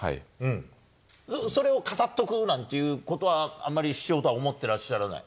それを飾っておくなんていうことはあんまりしようとは思ってらっしゃらない？